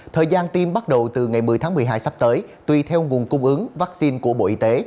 thời gian tiêm bắt đầu từ ngày một mươi tháng một mươi hai sắp tới tùy theo nguồn cung ứng vaccine của bộ y tế